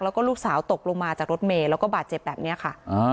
แล้วก็ลูกสาวตกลงมาจากรถเมย์แล้วก็บาดเจ็บแบบนี้ค่ะ